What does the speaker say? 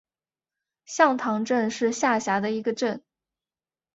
向塘镇是下辖的一个镇。